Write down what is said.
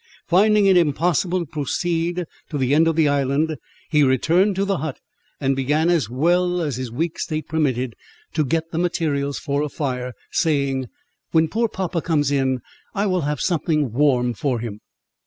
Finding it impossible to proceed to the end of the island, he returned to the hut, and began, as well as his weak state permitted, to get the materials for a fire, saying, "When poor papa comes in, I will have something warm for him."